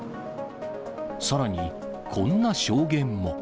さらにこんな証言も。